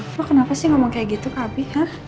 kok kenapa sih ngomong kayak gitu kak api